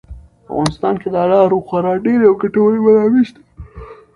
په افغانستان کې د انارو خورا ډېرې او ګټورې منابع شته.